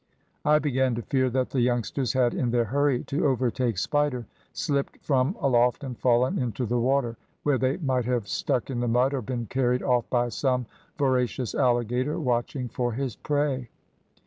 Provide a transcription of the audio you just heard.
I began to fear that the youngsters had, in their hurry to overtake Spider, slipt from aloft and fallen into the water, where they might have stuck in the mud, or been carried off by some voracious alligator watching for his prey.